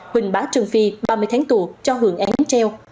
huỳnh bá trương phi ba mươi tháng tù cho hưởng án treo